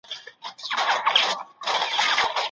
موږ ته په ژوند کي هدف لرل پکار دي.